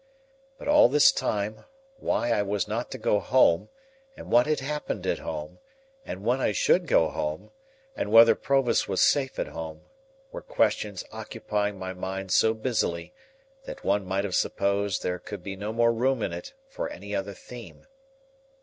But all this time, why I was not to go home, and what had happened at home, and when I should go home, and whether Provis was safe at home, were questions occupying my mind so busily, that one might have supposed there could be no more room in it for any other theme.